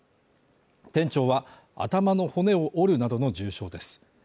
店長は頭の骨を折るなどの重傷です。